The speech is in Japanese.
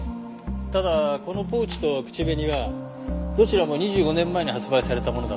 ただこのポーチと口紅はどちらも２５年前に発売されたものだとわかりました。